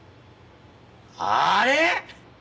あれ！？